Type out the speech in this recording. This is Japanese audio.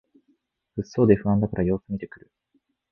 物騒で不安だから様子みてくる